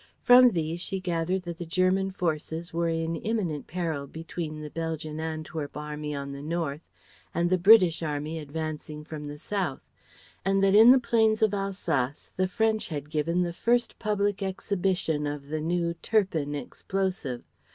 From these she gathered that the German forces were in imminent peril between the Belgian Antwerp army on the north and the British army advancing from the south; and that in the plains of Alsace the French had given the first public exhibition of the new "Turpin" explosive.